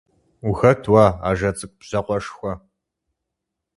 Ухэт уэ, ажэ цӀыкӀу бжьакъуэшхуэ?